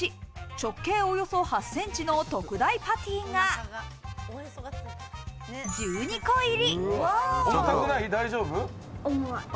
直径およそ８ｃｍの特大パティが１２個入り。